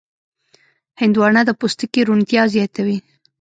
هندوانه د پوستکي روڼتیا زیاتوي.